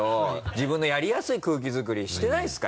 自分のやりやすい空気作りしてないですか？